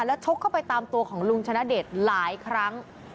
แล้วชกเข้าไปตามตัวของลุงชนะเดชหลายครั้ง